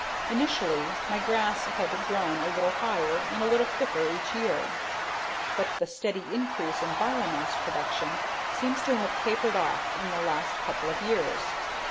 Initially, my grass had grown a little higher and a little thicker each year. But the steady increase in biomass production seems to have tapered off in the last couple of years.